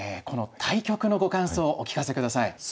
この対局のご感想お聞かせ下さい。